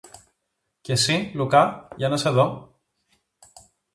Και συ, Λουκά, για να σε δω;